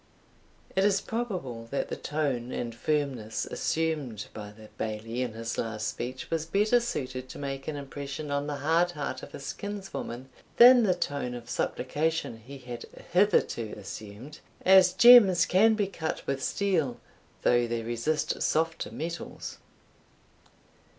It is probable that the tone and firmness assumed by the Bailie in his last speech was better suited to make an impression on the hard heart of his kinswoman than the tone of supplication he had hitherto assumed, as gems can be cut with steel, though they resist softer metals.